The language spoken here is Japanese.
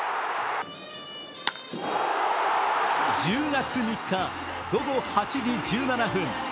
１０月３日午後８時１７分。